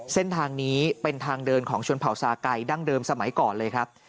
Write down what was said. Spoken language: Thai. เส้นทางนี้เป็นทางเดินของชนเผาสาไก่ดั้งเดิมสมัยก่อนเลยครับ